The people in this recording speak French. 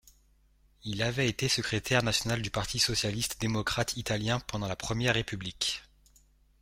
Il avait été secrétaire national du Parti socialiste démocrate italien pendant la Première République.